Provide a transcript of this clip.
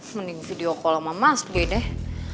mending video call sama mas gedeh